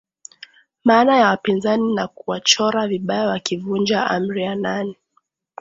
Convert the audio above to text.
maana ya wapinzani na kuwachora vibaya wakivunja amri ya nane